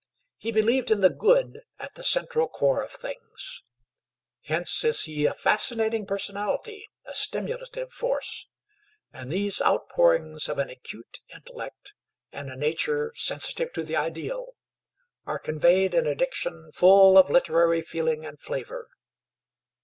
He believed in the Good at the central core of things. Hence is he a fascinating personality, a stimulative force. And these outpourings of an acute intellect, and a nature sensitive to the Ideal, are conveyed in a diction full of literary feeling and flavor.